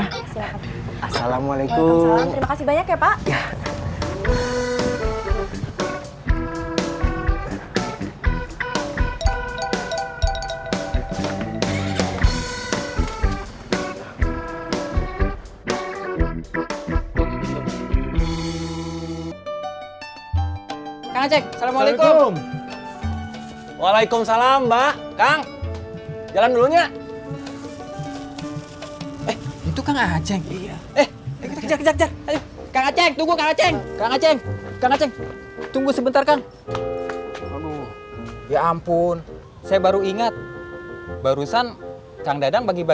pak silakan assalamualaikum terima kasih banyak ya pak ya